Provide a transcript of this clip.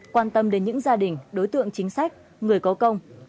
quan tâm đến những gia đình đối tượng chính sách người có công